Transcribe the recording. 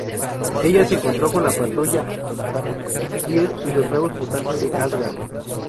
Ella se encontró con la Patrulla X y los Nuevos Mutantes en Asgard.